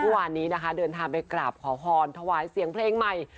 เมื่อวานนี้นะคะเดินทางไปกราบขอพรถวายเสียงเพลงใหม่